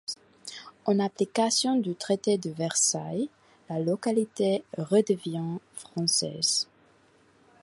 En application du traité de Versailles, la localité redevient française.